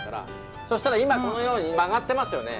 そしたら今このように曲がってますよね。